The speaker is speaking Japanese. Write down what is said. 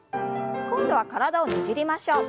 今度は体をねじりましょう。